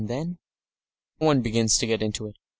"Then one begins to get into it.